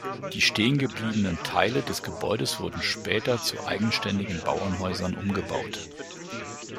Die stehengebliebenen Teile des Gebäudes wurden später zu eigenständigen Bauernhäusern umgebaut.